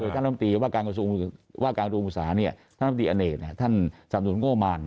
ท่านลำตีว่าการกระดูกงุษาท่านลำตีอเนธท่านสามศูนย์โงมาล